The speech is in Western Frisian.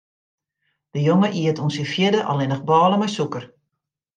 De jonge iet oant syn fjirde allinnich bôle mei sûker.